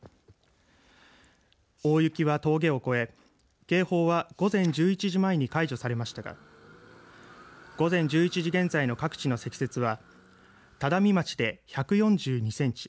大雪は峠を越え警報は午前１１時前に解除されましたが午前１１時現在の各地の積雪は只見町で１４２センチ